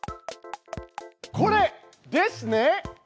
これですね！